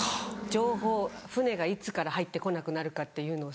情報船がいつから入って来なくなるかっていうのを。